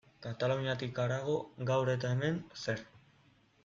Kataluniatik harago, gaur eta hemen, zer?